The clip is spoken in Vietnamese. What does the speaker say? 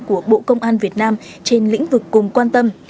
của bộ công an việt nam trên lĩnh vực cùng quan tâm